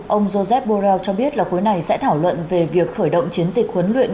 ông joseph borrell cho biết là khối này sẽ thảo luận về việc khởi động chiến dịch huấn luyện